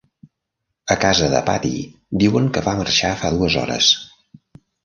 A casa de Patti diuen que va marxar fa dues hores.